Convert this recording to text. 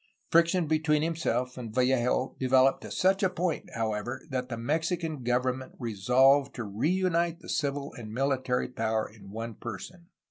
Friction between him self and Vallejo developed to such a point, however, that the Mexican government resolved to reunite the civil and military power in one person.